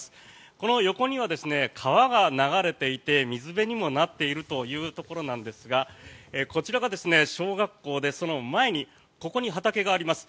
この横には川が流れていて水辺にもなっているというところなんですがこちらが小学校で、その前にここに畑があります。